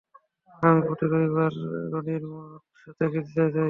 আমি প্রতি রবিবার রনির সাথে গির্জার যাই।